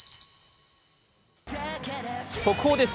速報です。